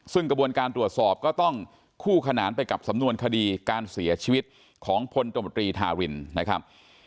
ซึ่งกระบวนการตรวจสอบก็ต้องคู่ขนานไปกับสำนวนคดีการเสียชีวิตของพลตมตรีธารินนะครับ